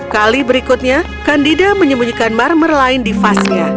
kali berikutnya kandida menyembunyikan marmer lain di vasnya